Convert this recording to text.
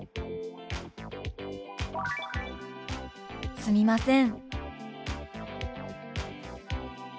「すみません」。